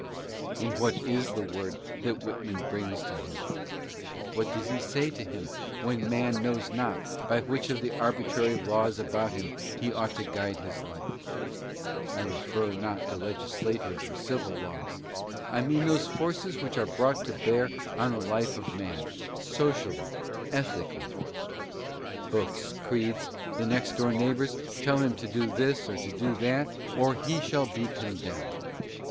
And what is the word that Whitman brings to him ? What does he say to him when man knows not by. which of the arbitrary laws about him he ought to guide his life ? I refer not to legislative or civil laws. I mean those forces which are brought to bear on the life of man, socially, ethically. Books, creeds and next door neighbors tell him to do this or to do that, or he shall be condemned.